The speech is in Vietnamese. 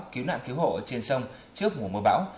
cứu nạn cứu hộ trên sông trước mùa mưa bão